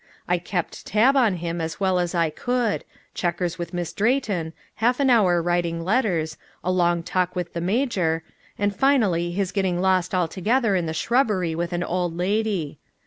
I kept tab on him as well as I could checkers with Miss Drayton half an hour writing letters a long talk with the major and finally his getting lost altogether in the shrubbery with an old lady.